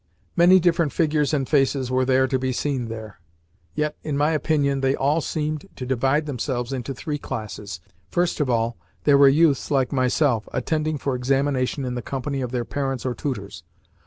Many different figures and faces were there to be seen there; yet, in my opinion, they all seemed to divide themselves into three classes. First of all, there were youths like myself, attending for examination in the company of their parents or tutors.